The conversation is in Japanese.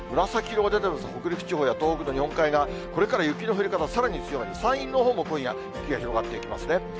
紫色が出ているんです、北陸地方や東北の日本海側、これから雪の降り方さらに強まる、山陰のほうも今夜、雪が広がっていきますね。